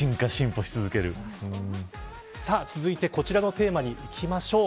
続いてこちらのテーマにいきましょう。